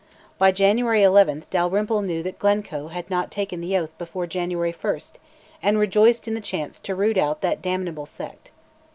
By January 11 Dalrymple knew that Glencoe had not taken the oath before January 1, and rejoiced in the chance to "root out that damnable sect."